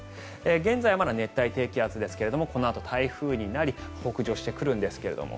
現在はまだ熱帯低気圧ですがこのあと台風になり北上してくるんですけども。